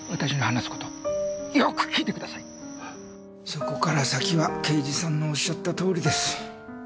そこから先は刑事さんのおっしゃったとおりです。